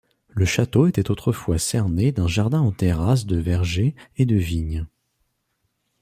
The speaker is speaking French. Le château était autrefois cerné d'un jardin en terrasse de vergers et de vignes.